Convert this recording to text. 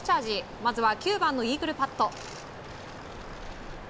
まずは９番のイーグルパット。